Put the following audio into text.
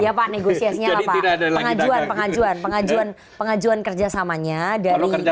ya pak negosiasinya lah pak pengajuan pengajuan pengajuan kerjasamanya dari gerindra